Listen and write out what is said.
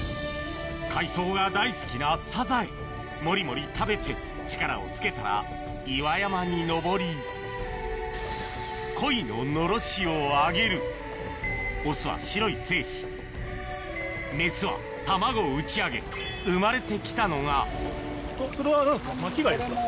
海藻が大好きなサザエもりもり食べて力をつけたら岩山に登り恋ののろしを上げるオスは白い精子メスは卵を打ち上げ生まれてきたのがそれは何ですか巻き貝ですか？